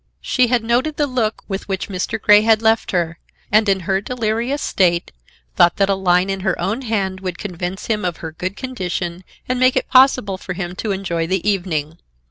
She had noted the look with which Mr. Grey had left her, and, in her delirious state, thought that a line in her own hand would convince him of her good condition and make it possible for him to enjoy the evening.